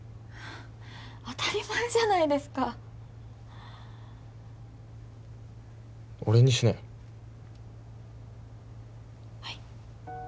当たり前じゃないですか俺にしなよはい？